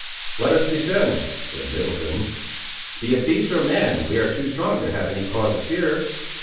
"Let us descend," said Middleton; "be it beast or man, we are too strong to have any cause of fear."